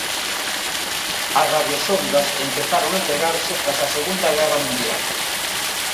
As radiosondas empezaron a empregarse tras a segunda guerra mundial.